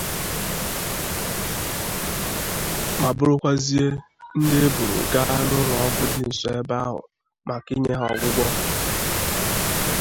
ma bụrụkwazie ndị e buru gaa n'ụlọọgwụ dị nso ebe ahụ maka inye ha ọgwụgwọ.